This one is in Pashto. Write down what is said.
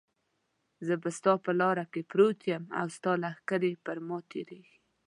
زه ستا په لاره کې پروت یم او ستا لښکرې پر ما تېرېږي.